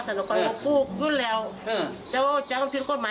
กลับมากนะแล้วอย่ายกลับมา